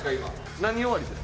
何終わりですか？